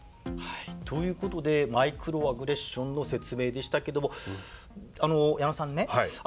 ということでマイクロアグレッションの説明でしたけどもあの矢野さんね。